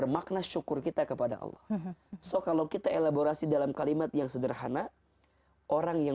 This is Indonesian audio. makna syukur kita kepada allah so kalau kita elaborasi dalam kalimat yang sederhana orang yang